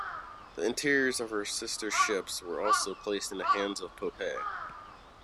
The interiors of her sister ships were also placed in the hands of Poppe.